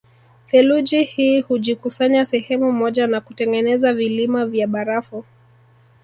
Theluji hii hujikusanya sehemu moja na kutengeneza vilima vya barafu